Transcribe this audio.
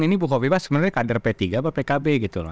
ini bukawifa sebenarnya kader p tiga atau pkb gitu